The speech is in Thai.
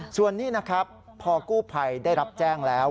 ส่วนนี้นะครับพอกู้ภัยได้รับแจ้งแล้ว